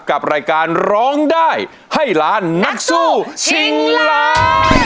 กับรายการร้องได้ให้ล้านนักสู้ชิงล้าน